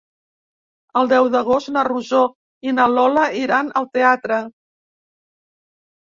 El deu d'agost na Rosó i na Lola iran al teatre.